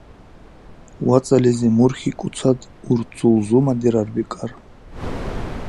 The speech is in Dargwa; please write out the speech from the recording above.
ВацӀализи мурхьикӀуцад, урцул зумадирар, бикӀар.